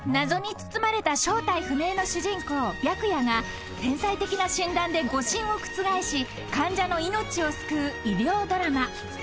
［謎に包まれた正体不明の主人公白夜が天才的な診断で誤診を覆し患者の命を救う医療ドラマ］